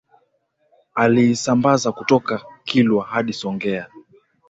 Aliisambaza kutoka Kilwa hadi Songea